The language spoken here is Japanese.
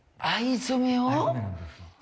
藍染めを！？